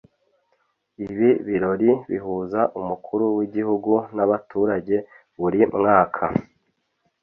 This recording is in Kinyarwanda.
Ibi birori bihuza umukuru w’igihugu nabaturage buri mwaka,